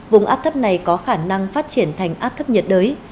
vùng áp thấp này có khả năng phát triển thành áp thấp nhiệt đới